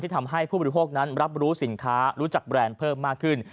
ทำให้ผู้บริโภคนั้นรับรู้สินค้ารู้จักแบรนด์เพิ่มมากขึ้น